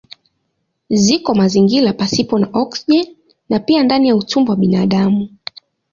Ziko mazingira pasipo na oksijeni na pia ndani ya utumbo wa binadamu.